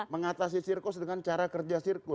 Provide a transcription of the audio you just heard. mengatasi sirkus dengan cara kerja sirkus